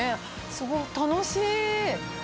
すごい、楽しい。